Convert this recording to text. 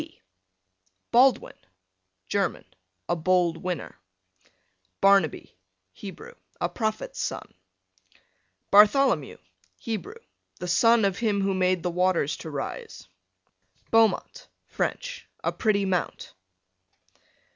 B Baldwin, German, a bold winner. Barnaby, Hebrew, a prophet's son. Bartholomew, Hebrew, the son of him who made the waters to rise. Beaumont, French, a pretty mount.